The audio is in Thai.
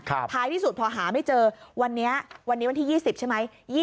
ท้ายที่สุดพอหาไม่เจอวันนี้วันนี้วันที่๒๐ใช่ไหม